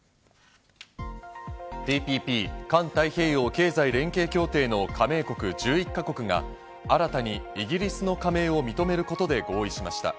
ＴＰＰ＝環太平洋経済連携協定の加盟国１１か国が新たにイギリスの加盟を認めることで合意しました。